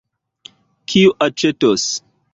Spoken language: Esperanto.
Kiu aĉetos?